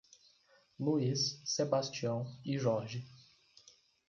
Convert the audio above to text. Luís, Sebastião e Jorge